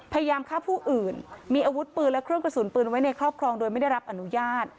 พยายามฆ่าผู้อื่นมีอาวุธปืนและเครื่องกระสุนปืนไว้ในครอบครองโดยไม่ได้รับอนุญาต